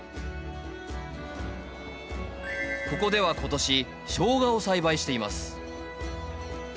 ここでは今年ショウガを栽培しています。